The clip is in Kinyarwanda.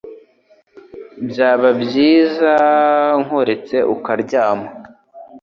Byaba byiza nkuretse ukaryama